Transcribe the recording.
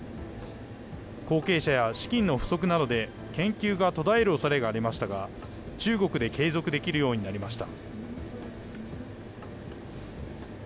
後継者や資金の不足などで研究が途絶えるおそれがありましたが、中国で継続できるようになりました。